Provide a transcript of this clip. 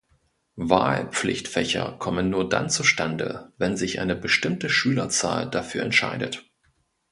Wahlpflichtfächer kommen nur dann zustande, wenn sich eine bestimmte Schülerzahl dafür entscheidet.